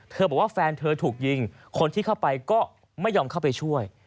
บอกว่าแฟนเธอถูกยิงคนที่เข้าไปก็ไม่ยอมเข้าไปช่วย